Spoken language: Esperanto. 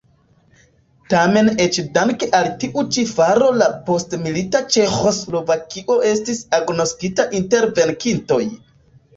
Tamen eĉ dank' al tiu ĉi faro la postmilita Ĉeĥoslovakio estis agnoskita inter venkintoj.